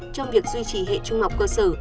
trong việc duy trì hệ trung học cơ sở